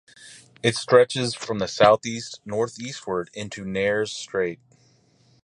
It stretches from the southwest northeastward into Nares Strait.